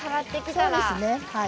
そうですねはい。